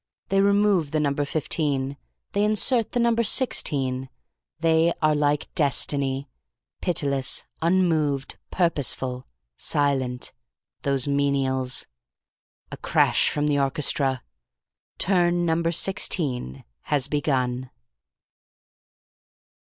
They remove the number fifteen. They insert the number sixteen. They are like Destiny Pitiless, Unmoved, Purposeful, Silent. Those menials. "A crash from the orchestra. Turn number sixteen has begun...."